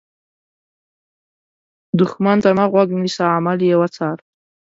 دښمن ته مه غوږ نیسه، عمل یې وڅار